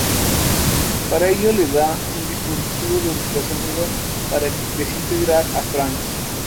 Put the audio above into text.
Para ello le da un dispositivo de ultrasonido para desintegrar a Franky.